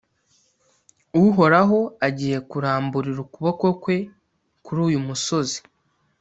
Uhoraho agiye kuramburira ukuboko kwe kuri uyu musozi.